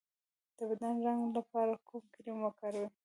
د بدن د رنګ لپاره کوم کریم وکاروم؟